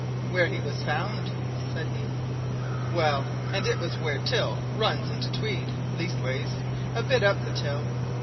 "Where he was found?" said he. "Well, and it was where Till runs into Tweed leastways, a bit up the Till.